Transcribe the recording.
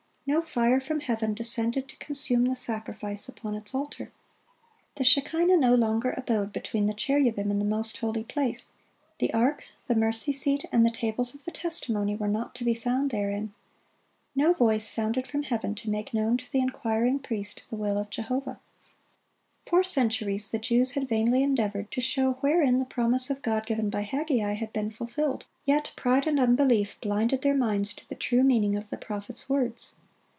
No fire from heaven descended to consume the sacrifice upon its altar. The shekinah no longer abode between the cherubim in the most holy place; the ark, the mercy seat, and the tables of the testimony were not to be found therein. No voice sounded from heaven to make known to the inquiring priest the will of Jehovah. For centuries the Jews had vainly endeavored to show wherein the promise of God given by Haggai, had been fulfilled; yet pride and unbelief blinded their minds to the true meaning of the prophet's words.